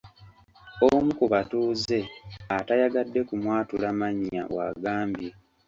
Omu ku batuuze atayagadde kumwatula mannya bw’agambye.